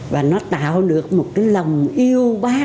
và nó tạo được một cái lòng yêu bác ra sao